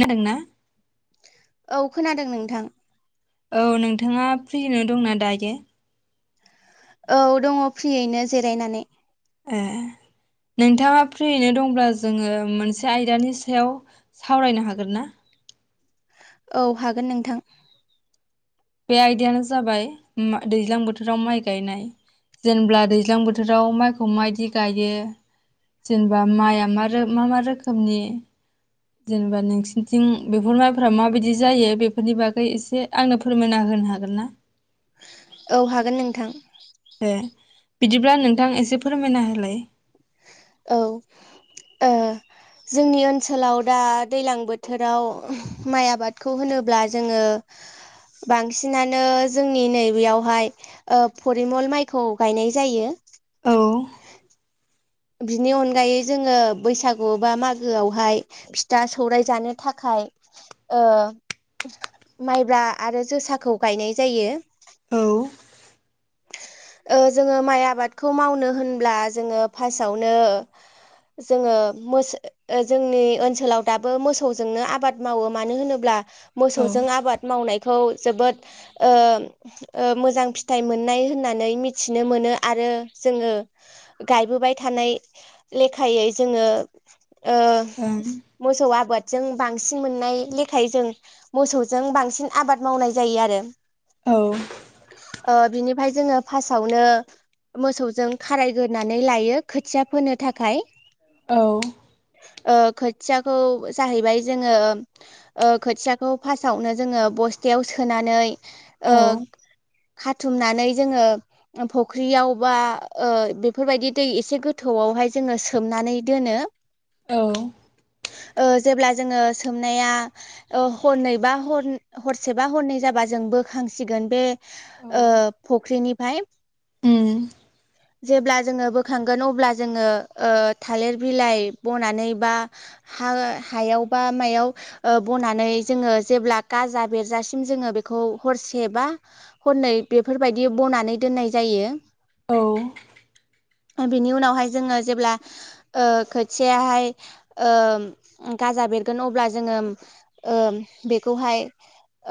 नोंना औ खोनादों नोंथां औ नोंथाङा फ्रिनो दंना दायोे औ दङ फ्रियैनो जिरायनानै ए नोंथाङा फ्रियैनो दंब्ला जोङो मोनसे आयदानि सायाव सावरायनो हागोन ना औ हागोन नोंथां बे आयदायानो जाबाय मा दैज्लां बोथोराव माइ गायनाय जेनेबा दैज्लां बोथोराव माइखौ माआयदि गायो जेनेबा माइआ मा रो मा-मा रोखोमनि जेनेबा नोंसिनिथिं बेफोर माइफोरा माबायदि जायो बेफोरनि बागै एसे आंनो फोरमायना होनो हागोन ना औ हागोन नोंथां ए बिदिब्ला नोंथां एसे फोरमायना होलाय औ ओ जोंनि ओनसोलाव दा दैलां बोथोराव माइ आबादखौ होनोब्ला जोङो बांसिनानो जोंनि नैबेयावहाय ओ फरिमल माइखौ गायनाय जायो औ बिनि अनगायै जोङो बैसागु बा मागोआवहाय फिथा सौराय जानो थाखाय ओ माइब्रा आरो जोसाखौ गायनाय जायो औ ओ जोङो माइ आबादखौ मावनो होनब्ला जोङो फासआवनो जोङो मोस ओ जोंनि ओनसोलाव दाबो मोसौजोंनो आबाद मावो मानो होनोब्ला औ मोसौजों आबाद मावनायखौ जोबोद ओ मोजां फिथाइ मोननाय होननानै मिथिनो मोनो आरो जोङो गाय बोबाय थानाय लेखायै जोङो ओ ओं मोसौ आबाद जों बांसिन मोननाय लेखायै जों मोसौजों बांसिन आबाद मावनाय जायो आरो औ फाय जोङो फासावनो मोसौजों खारायगोना नै लायो खोथिया फोनो थाखाय। औ ओ खोथियाखौ जाहैबाय जोङो ओ खोथियाखौ फासआवनो जोङो बस्थायाव सोनानै ओ औ खाथुमनानै जोङो फुख्रियाव बा ओ बेब फोरबायदि दै एसे गोथौआवहाय जोङो सोमनानै दोनो औ ओ जेब्ला जोङो सोमनाया ओ हरनैबा हर हरसे बा हरनै जाबा जों बोखांसिगोन बे ओ फुख्रिनिफ्राय उम जेब्ला जोङो बोखांगोन अब्ला जोङो ओ थालिर बिलाइ बनानै बा हा हायाव बा मायाव ओ बनानै जोङो जेब्ला गाजा बेरजासिम जोङो बेखौ हरसेबा हरनै बेफोरबायदि बनानै दोननाय जायो। औ बिनि उनावहाय जोङो जेब्ला ओ खोथियाहाय ओ गाजा बेरगोन अब्ला जोङो ओम बेखौहाय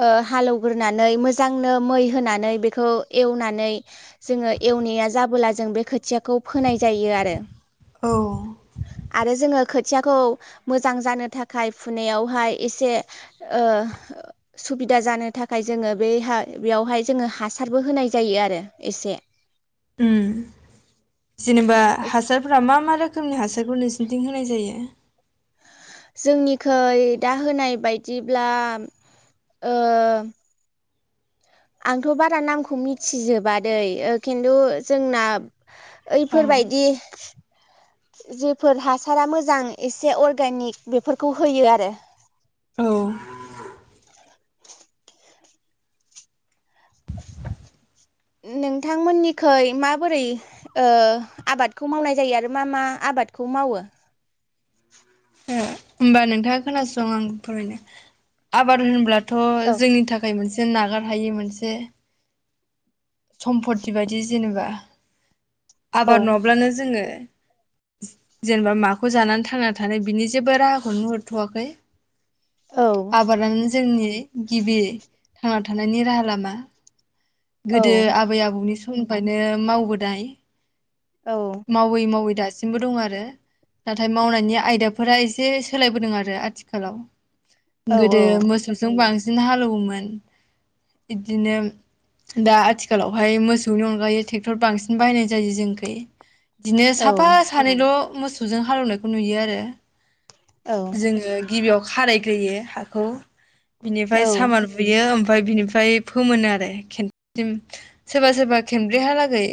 ओ हालौवग्रोनानै मोजांनो मै होनानै बेखौ एवनानै जोङो एवनाया जाबोला जों बे खोथियाखौ फोनाय जायो आरो आरो जोङो खोथियाखौ मोजां जानो थाखाय फुनायावहाय एसे ओ सुबिदा जानो थाखाय जोङो बेहा बेयावहाय जोङो हासारबो होनाय जायो आरो एसे उम जेनेबा हासारफोरा मा मा रोख खोमनि हासारखौ नोंसिनथिं होनाय जायो? जोंनिखै दा होनाय बायदिब्ला ओ आंथ' बारा नामखौ मिथिजोबा दै खिन्थु जोंना ओं ऐफोरबायदि जेफोर हासारा मोजां एसे अर्गेनिक बेफोरखौ होयो आरो औ नोंथांमोननिखै माबोरै ओ आबादखौ मावनाय जायो आरो मा मा आबादखौ मावो? होमबा नोंथाङा खोनासं आं फोरमायनो आबाद होनब्ला थ' औ जोंनि थाखाय मोनस जों नागारहायि मोनसे सम्पती बायदि जेनेबा औ आबाद नङाब्लानो जोङो जेनबा माखौ जानानै थांना थानो बिनि जेबो राहाखौ नुहरथ'वाखै औ आबादानो जोंनि गिबि थांना थानायनि राहा लामा औ गोदो आबै आबौनि स [unintelligible] नो मावबोदाय औ मावै मावै दास सिमबो दं आरो नाथाय मावनायनि आयदाफोरा एसे सोलायबोदों आरो आथिखालाव। औ गोदो मोसौजों बांस दिनो हाल एवोमोन इदिनो दा आथिखालावहाय मोसौनि अनगायै थेक्टर बांसिन बाहायनाय जायो जोंनिखै दिनो औ साफा सानैल' मोसौ सौजों हालेवनायखौ नुयो आरो औ जोङो गिबियाव खारायग्रोयो हाखौ औ बिनिफ्राय सामार बुयो ओमफाय बिनिफ फाय फोमोनो आरो [unintelligible] सोरबा सोरबा खेनब्रैहालागै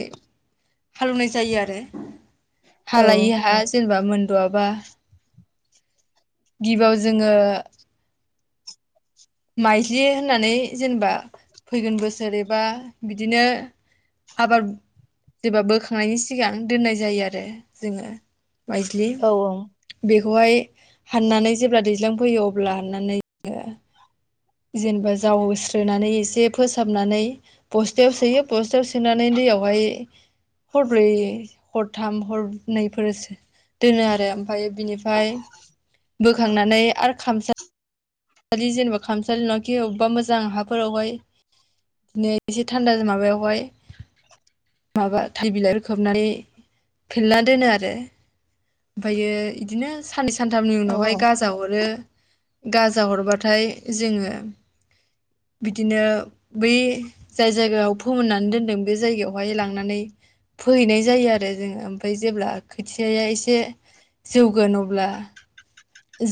हालेवनाय जायो आरो हा औ लायै हा जेनेबा मोनद'आबा गिबियाव जोङो माइज्लि होननानै जेनेबा फैगोन बोसोर एबा बिदिनो आबाद जेबा बोखांनायनि सिगां दोननाय जायो आरो जोङो मायज्लि औ बे खौहाय हाननानै जेब्ला दैज्लां फैयो अब्ला हाननानै आ जेनेबा जावस्रोनानै एसे फोसाबनानै बस्थायाव सोयो बस्थायाव सोनानै दैयावहाय हरब्रै हरथाम हरनैफोरसो दोनो आरो फाय बिनिफाय बोखांनानै आरो खामसा दि जेनेबा खामसालि नखि अबेबा मोजां हाफोरावहाय बिदिनो एसे थान्दा माबायावहाय माबा थाइ बिलाइफोर खोबनानै फेरना दोनो आरो ओमफायो इदिनो साननैस सानथामनि उनावहाय गाजा अरो गाज गाजा अरबाथाय जोङो बिदिनो बै जाय जायगायाव फोमोननानै दोनदों बे जायगायावहाय लांनानै फोहैनाय जायो आरो जोङो ओमफाय जेब्ला खोथियाया एसे जौगोन अब्ला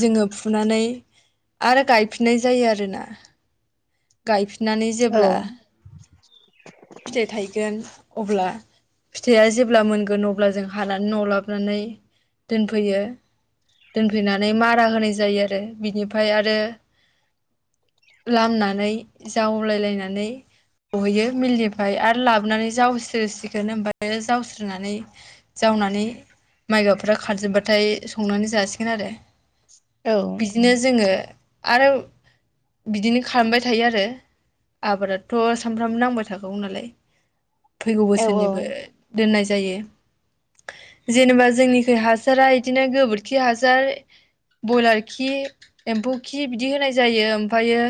जोङो फुनानै आरो गायफिननाय जायो आरोना गायफि नानै जेब्ला फिथाइ थायगोन अब्ला फिथाइया जेब्ला मोनगोन अब्ला जों हानानै न' लाबनानै दोनफैयो दोनफैनानै मारा होनाय जायो आरो बिनिफाय आरो लामना नानै जावलायलायनानै हैयो मिलनिफ्राय आरो लाबोनानै जावस्रोसिगोन ओमफ्राय जावस्रनानै जावनानै माइगाबफोरा खारजोबबाथाय संनानै जासिगोन आरो बिदिनो जोङो आरो बिदिनो खालामबाय थायो आरो आबादाथ' सानफ्रामबो नांबाय थाखागौ नालाय फैगौ औ बोसोरनिबो दोननाय जायो जेनेबा जोंनिखै हासारा बिदिनो गोबोरखि हासार बयलार खि एम्फौ खि बिदि होनाय जायो ओमफायो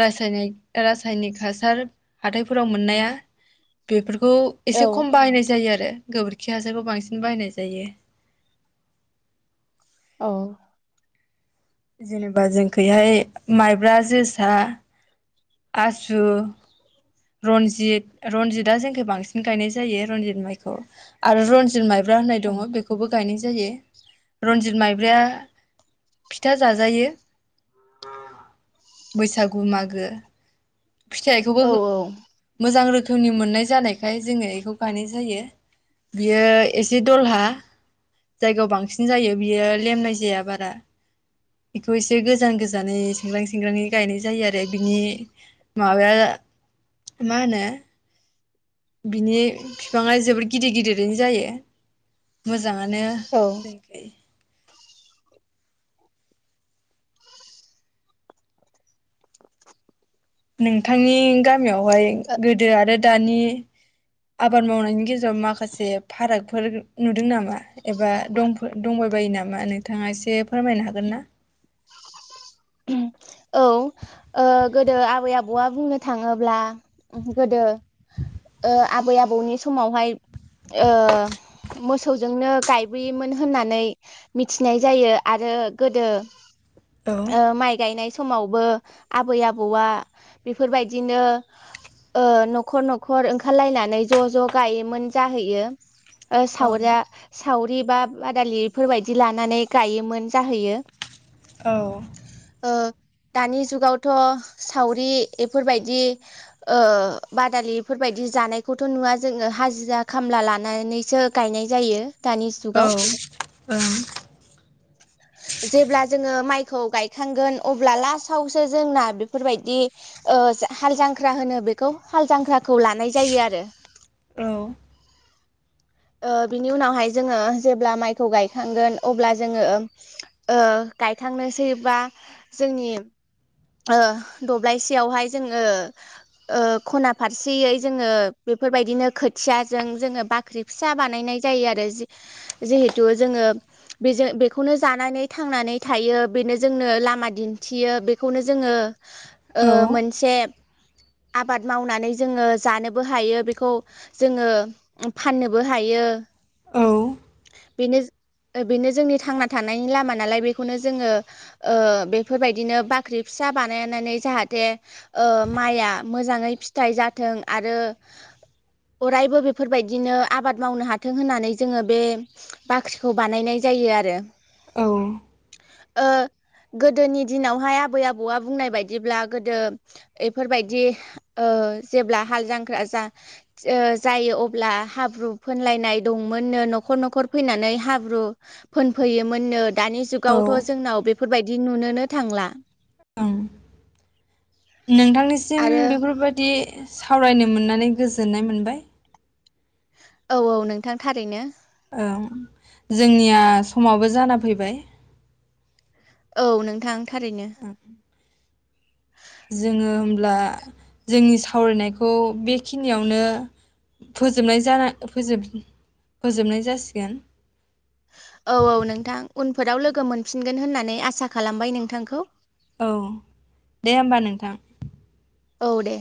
रासायनिक रासायनिक हासार हाथाय फोराव मोननाया बेफोर खौ एसे खम बाहायनाय जायो आ रो गोबोरखि हासारखौ बांसिन बायनाय जायो। औ । जेनेबा जोंखैहाय माइब्रा जोसा । आसु रनजित रनजितआ जोंनिथिं बांसिन गायनाय जायो रनजित माइखौ आरो रनजित माइ ब्रा होननाय दङ बेखौबो गायनाय जायो रनजित माइ ब्राया फिथा जाजायो बैसागु मागो। फिथाइखौबो मोजां रो खोमनि मोननाय जानायखाय जोङो बेखौ गायनाय जायो । बियो एसे दलहा जायगायाव बांसिन जायो बियो लेमनाय जाया बारा बेखौ एसे गोजान गोजानै सेंग्रां सेंग्राङै गायनाय जायो आरो बिनि माबाया मा होनो बिनि बिफाङा जोबोर गिदिर गिदिरैनो जायो मो जाङानो औ जोंखै नोंथांनि गामियावहाय गोदो आरो दानि आबाद मावनायनि गेजेराव माखासे फारागफोर नुदों नामा एबा दंफो दंबायबायो नामा नोंथाङा एसे फोरमायनो हागोन ना? ओ गोदो आबै आबौआ बुंनो थाङोब्ला गोदो ओ आबै आबौनि समावहाय ओ मोसौजोंनो गायबोयोमोन होननानै मिथिनाय जायो ।आरो गोदो औ ओ माइ गायनाय समावबो आबै आबौआ बेफोरबायदिनो ओ न'खर न'खर ओंखारलायनानै ज' ज' गायोमोन जाहैयो। ओ औ सावरिया सावरि बा बादालिफोर बायदि लानानै गायोमोन जाहोयो। औ । दानि जुगाव थ' सावरि एफोरबायदि ओ बादालि बेफोरबायदि जानायखौथ' नुवा जोङो हाजिरा खामला लानानैसो गायनाय जायो। दानि जुगाव जेब्ला जोङो माइ खौ गायखांगोन अब्ला लासावसो जोंना बेफोरबायदि ओ हाल जांख्रा होनो बेखौ हाल जांख्राखौ लानाय जायो आरो। औ । ओ बिनि उनावहाय जोङो जेब्ला माइखौ गायखांगोन अब्ला जोङो ओ गायखांनोसै बा जोंनि ओ दब्लायसेयावहाय जोङो ओ खना फारसेयै जोङो बेफोरबायदिनो खोथियाजों जोङो बाख्रि फिसा बानायनाय जायो आरो जि जिहेथु जोङो बेजों बेखौनो जानानै थांनानै थायो बेनो जोंनो लामा दिन्थियो बेखौनो जोङो ओ मोनसे आबाद मावनानै जोङो जानोबो हायो बेखौ जोङो फाननोबो हायो। औ बेनो बेनो जोंनि थांना थानायनि लामा नालाय बेखौनो जोङो ओ बेफोरबायदिनो बाख्रि फिसा बानायनानै जाहाथे ओ माइआ मोजाङै फिथाइ जाथों आरो अरायबो बेफोरबाय दिनो आबाद मावनो हाथों होननानै जोङो बे बाख्रिखौ बानायनाय जायो आरो। औ । ओ गोदोनि दिनावहाय आबै आबौआ बुंनाय बायदिब्ला गोदो एफोरबायदि ओ जेब्ला हाल जांख्रा जा ओ जायो । अ ब्ला हाब्रु फोनलायनाय दंमोननो, न'खर न'खर फैनानै हाब्रु फोनफैयोमोननो । दानि औ जुगावथ' ओं जोंनाव बेफोरबायदि नुनोनो थांला ओं नोंथांनिसिम आरो बेफोरबायदि सावरायनो मोननानै गोजोननाय मोनबाय औ औ नोंथां थारैनो ओं जोंनिया समाबो जाना फैबाय औ नोंथां थारैनो जोङो होमब्ला जोंनि सावरायनायखौ बेखिनियावनो फोजोबनाय जा जानोब फोजोबनाय जासिगोन। औ औ नोंथां उनफोराव लोगो मोनफिनगोन होननानै आसा खालामबाय नोंथांखौ। औ दे होमबा नोंथां। औ दे